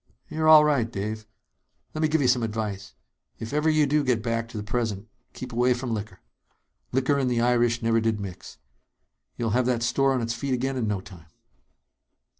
"You're all right, Dave. Let me give you some advice. If ever you do get back to the present ... keep away from liquor. Liquor and the Irish never did mix. You'll have that store on its feet again in no time."